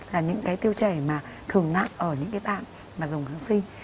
là những cái tiêu chảy mà thường nặng ở những cái bạn mà dùng kháng sinh